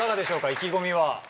意気込みは。